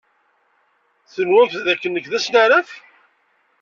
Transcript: Tenwam d akken nekk d asnaraf?